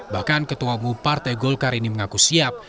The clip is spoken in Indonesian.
bahkan ketua bumpar tegolkar ini mengaku siap